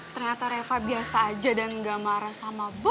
ternyata reva biasa aja dan enggak marah sama aku